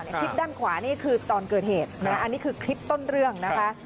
คลิปด้านขวานี่คือตอนเกิดเหตุนะอันนี้คือคลิปต้นเรื่องนะคะ